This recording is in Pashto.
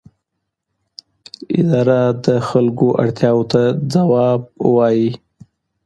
اداره د خلکو اړتیاوو ته ځواب وايي.